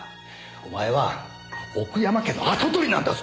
お前は奥山家の跡取りなんだぞ！